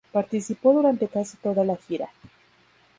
Participó durante casi toda la gira.